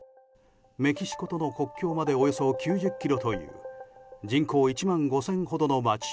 メキシコとの国境までおよそ９０ｋｍという人口１万５０００ほどの街